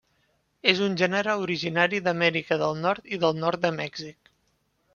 És un gènere originari d'Amèrica del Nord i del nord de Mèxic.